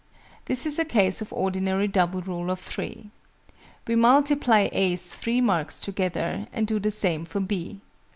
This is a case of ordinary Double Rule of Three. We multiply A's 3 marks together, and do the same for B.